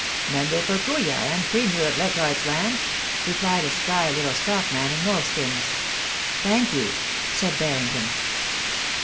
* Member for Kooya, and Premier of Leichardt s Land,' replied a spry little stockman in moleskins. ' Thank you,' said Barrington.